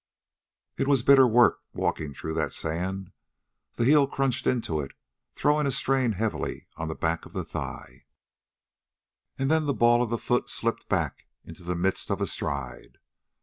It was bitter work walking through that sand. The heel crunched into it, throwing a strain heavily on the back of the thigh, and then the ball of the foot slipped back in the midst of a stride.